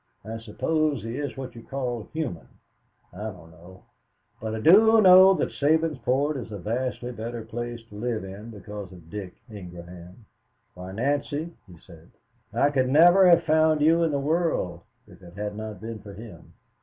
I suppose he is what you call human I don't know, but I do know that Sabinsport is a vastly better place to live in because of Dick Ingraham. Why, Nancy," he said, "I could never have found you in the world if it had not been for him.